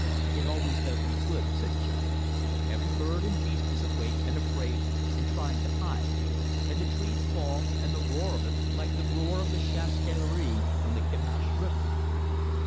"It always does me good," said Jo. "Every bird and beast is awake and afraid and trying to hide, and the trees fall, and the roar of it like the roar of the chasse galerie on the Kimash River."